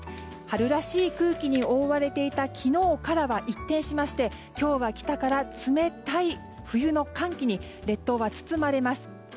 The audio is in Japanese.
春らしい空気に覆われていた昨日からは一転しまして今日は北から冷たい冬の寒気に列島は包まれます。